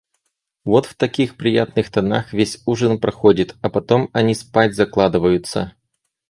Вот в таких приятных тонах, весь ужин проходит, а потом они спать закладываются.